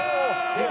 「えっ！